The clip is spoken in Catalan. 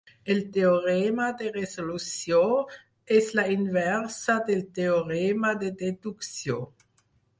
El teorema de resolució és la inversa del teorema de deducció.